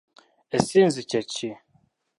Essinzi kye ki?